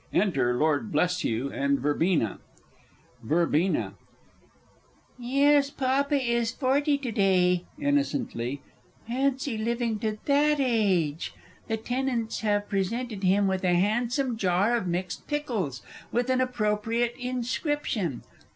_ Enter LORD BLESHUGH and VERBENA. Verb. Yes, Papa is forty to day; (innocently) fancy living to that age! The tenants have presented him with a handsome jar of mixed pickles, with an appropriate inscription.